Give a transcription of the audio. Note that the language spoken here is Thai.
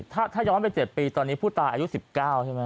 ถ้าย้อนไป๗ปีตอนนี้ผู้ตายอายุ๑๙ใช่ไหม